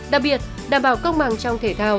đặc biệt đảm bảo công bằng trong thể thao